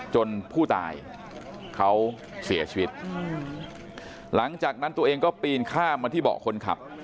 ผู้ตายเขาเสียชีวิตหลังจากนั้นตัวเองก็ปีนข้ามมาที่เบาะคนขับ